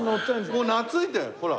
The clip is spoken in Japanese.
もう懐いてほら。